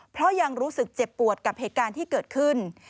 เพราะยังรู้สึกเจ็บปวดกับเหตุการณ์ที่เกิดขึ้น